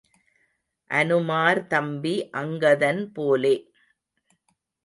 அனுமார் தம்பி அங்கதன் போலே.